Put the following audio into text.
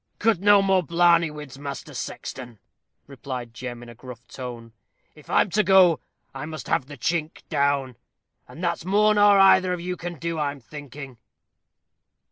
"Cut no more blarneyfied whids, Master Sexton," replied Jem, in a gruff tone. "If I'm to go, I must have the chink down, and that's more nor either of you can do, I'm thinking."